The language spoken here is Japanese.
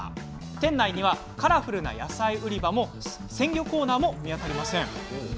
店内にはカラフルな野菜売り場も鮮魚コーナーも見当たりません。